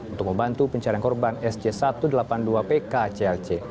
untuk membantu pencarian korban sj satu ratus delapan puluh dua pk clc